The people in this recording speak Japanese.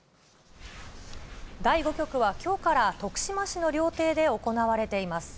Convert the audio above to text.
第５局はきょうから、徳島市の料亭で行われています。